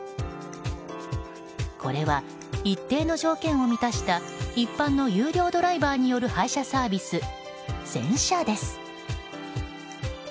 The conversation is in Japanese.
これは、一定の条件を満たした一般の優良ドライバーによる配車サービス、専車です。